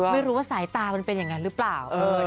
ไม่รู้ว่าสายตามันเป็นอย่างนั้นหรือเปล่า